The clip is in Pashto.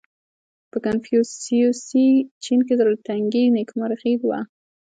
• په کنفوسیوسي چین کې زړهتنګي نېکمرغي وه.